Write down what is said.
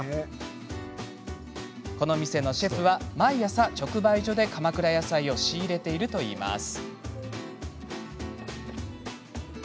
この店のシェフは毎朝、直売所で鎌倉やさいを仕入れているといいます。